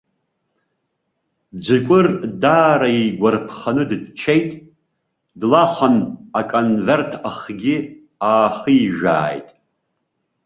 Ӡыкәыр даара игәарԥханы дыччеит, длахан, аконверт ахгьы аахижәааит.